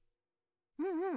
うんうん。